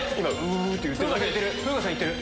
風花さんいってる。